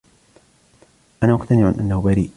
أنا مقتنع أنه بريء.